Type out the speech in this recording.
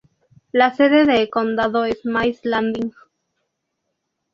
La sede de condado es Mays Landing.